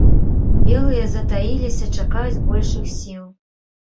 Белыя затаіліся, чакаюць большых сіл.